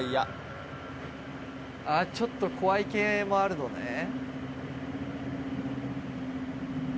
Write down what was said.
あー、ちょっと怖い系もあるのね。